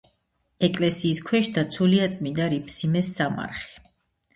ეკლესიის ქვეშ დაცულია წმინდა რიფსიმეს სამარხი.